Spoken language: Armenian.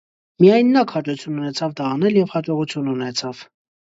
Միայն նա քաջություն ունեցավ դա անել և հաջողություն ունեցավ։